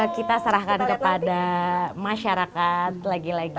kita serahkan kepada masyarakat lagi lagi